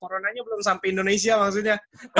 coronanya belum sampai indonesia maksudnya